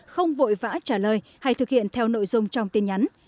không vội vã trả lời hay thực hiện theo nội dung trong tin nhắn